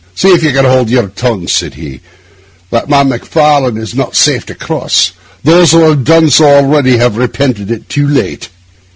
'See if you can hold your tongues,' said he. 'That man Macfarlane is not safe to cross; those that have done so already have repented it too late.